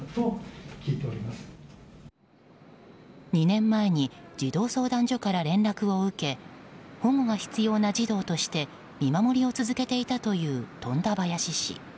２年前に児童相談所から連絡を受け保護が必要な児童として見守りを続けていたという富田林市。